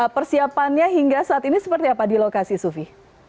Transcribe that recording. persiapannya hingga saat ini seperti apa di lokasi sufi